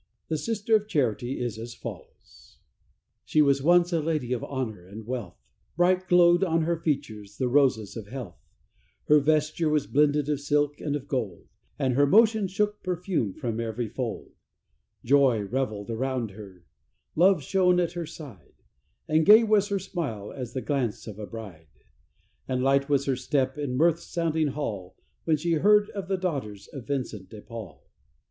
The "Sister of Charity" is as follows: She was once a lady of honor and wealth, Bright glowed on her features the roses of health, Her vesture was blended of silk and of gold, And her motion shook perfume from every fold; Joy reveled around her love shone at her side, And gay was her smile as the glance of a bride; And light was her step in the mirth sounding hall When she heard of the daughters of Vincent De Paul.